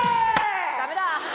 ダメだ！